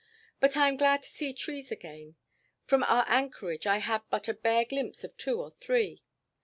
But I am glad to see trees again. From our anchorage I had but a bare glimpse of two or three.